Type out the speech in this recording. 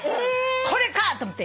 これかと思って。